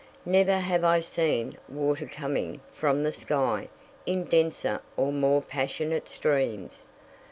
Never have I seen water coming from the sky in denser or more passionate streams.